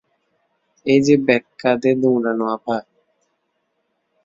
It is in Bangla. এইযে ব্যাগ কাঁধে দৌঁড়ানো আপা!